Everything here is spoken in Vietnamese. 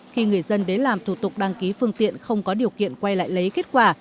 khi người dân đến làm thủ tục đăng ký phương tiện không có điều kiện quay lại lấy kết quả